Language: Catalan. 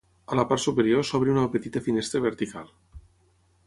A la part superior s'obre una petita finestra vertical.